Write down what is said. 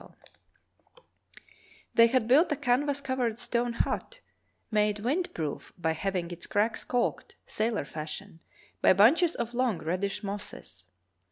62 True Tales of Arctic Heroism They had built a canvas covered stone hut, made wind proof by having its cracks calked, sailor fashion, by bunches of long, reddish mosses.